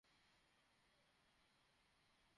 আর সেটা ভদ্রতার সাথে।